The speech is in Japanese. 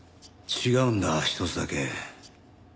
違うんだ１つだけ。